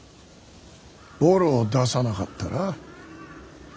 ボロを出さなかったら？